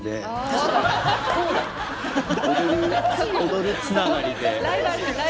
「踊る」つながりで。